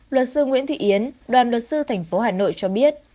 luật sư nguyễn thị yến đoàn luật sư thành phố hà nội cho biết